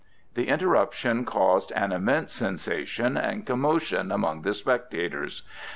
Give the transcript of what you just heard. The interruption caused an immense sensation and commotion among the spectators.